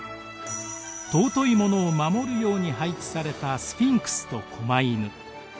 尊いものを守るように配置されたスフィンクスと狛犬。